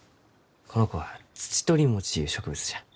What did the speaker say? この子はツチトリモチゆう植物じゃ。